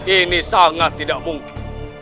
ini sangat tidak mungkin